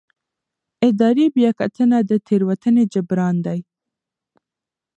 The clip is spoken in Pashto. اداري بیاکتنه د تېروتنې جبران دی.